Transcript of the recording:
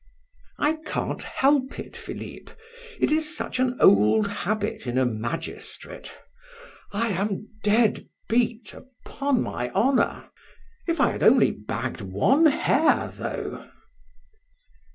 "I can't help it, Philip! It is such an old habit in a magistrate! I am dead beat, upon my honor. If I had only bagged one hare though!"